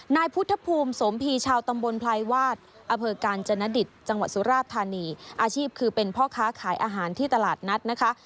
นายพุทธภูมิสมพีชาวตำบลพลายวาดอำเภอกาญจนดิตจังหวัดสุราชธานีอาชีพคือเป็นพ่อค้าขายอาหารที่ตลาดนัดนะคะ